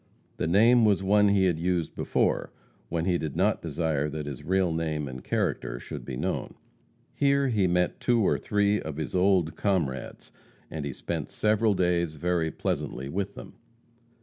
The name was one he had used before when he did not desire that his real name and character should be known. Here he met two or three of his old comrades, and he spent several days very pleasantly with them.